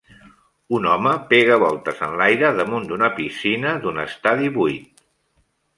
Un home pega voltes en l'aire damunt d'una piscina d'un estadi buit.